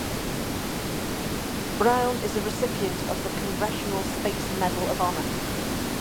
Brown is a recipient of the Congressional Space Medal of Honor.